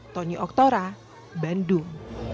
tony oktora bandung